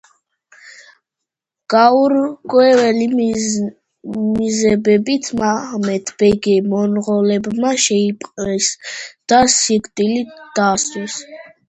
გაურკვეველი მიზეზებით მეჰმედ ბეგი მონღოლებმა შეიპყრეს და სიკვდილით დასაჯეს.